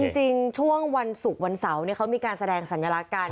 จริงช่วงวันศุกร์วันเสาร์เขามีการแสดงสัญลักษณ์กัน